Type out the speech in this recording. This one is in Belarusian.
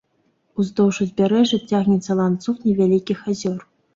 Уздоўж узбярэжжа цягнецца ланцуг невялікіх азёр.